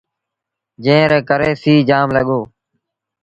جݩهݩ ري ڪري سيٚ جآم لڳو۔